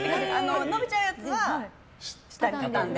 伸びちゃうやつは下に畳んで。